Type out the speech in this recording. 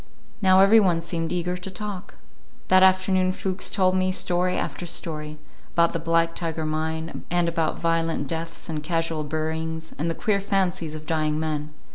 Now every one seemed eager to talk. That afternoon Fuchs told me story after story; about the Black Tiger mine, and about violent deaths and casual buryings, and the queer fancies of dying men.